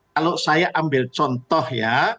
kalau saya ambil contoh ya